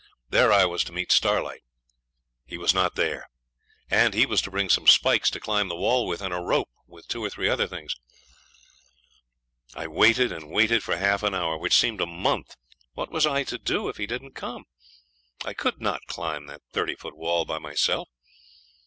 There I was to meet Starlight. He was not there, and he was to bring some spikes to climb the wall with, and a rope, with two or three other things. I waited and waited for half an hour, which seemed a month. What was I to do if he didn't come? I could not climb the thirty foot wall by myself.